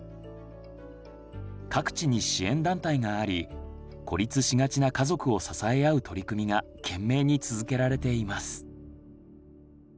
各地に支援団体があり孤立しがちな家族を支え合う取り組みが懸命に続けられています。